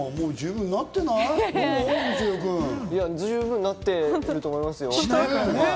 十分なってると思いますよ。